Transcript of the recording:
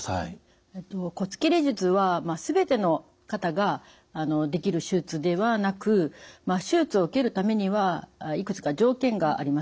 骨切り術は全ての方ができる手術ではなく手術を受けるためにはいくつか条件があります。